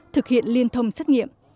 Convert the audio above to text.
thực hiện liên thông xét nghiệm